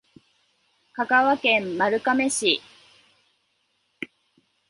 香川県丸亀市